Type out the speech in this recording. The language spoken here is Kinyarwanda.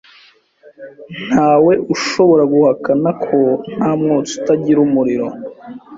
Ntawe ushobora guhakana ko nta mwotsi utagira umuriro.